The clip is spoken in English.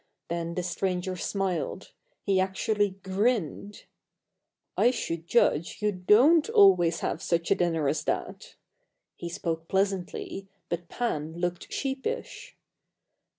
Then the stranger smiled he actually grinned! "I should judge you don't always have such a dinner as that!" He spoke pleasantly, but Pan looked sheepish.